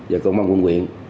và công an quân quyền